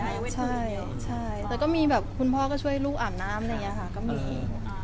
ยังไม่ใช่ใช่แต่ก็มีแบบคุณพ่อก็ช่วยลูกอาบน้ำอะไรอย่างนี้ค่ะก็มี